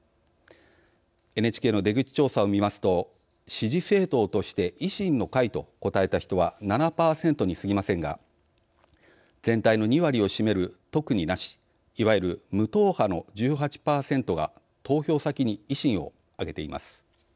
ＮＨＫの出口調査を見ますと支持政党として維新の会と答えた人は７％にすぎませんが全体の２割を占める、特になしいわゆる無党派の１８％が投票先に維新を挙げています。